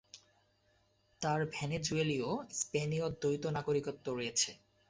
তার ভেনেজুয়েলীয়-স্পেনীয় দ্বৈত নাগরিকত্ব রয়েছে।